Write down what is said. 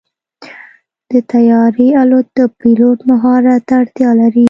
د طیارې الوت د پيلوټ مهارت ته اړتیا لري.